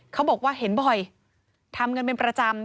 เขาบอกว่าเห็นบ่อยทำกันเป็นประจำ